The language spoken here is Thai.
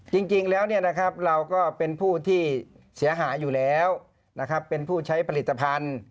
จริงแล้วเราก็เป็นผู้ที่เสียหายอยู่แล้วนะครับเป็นผู้ใช้ผลิตภัณฑ์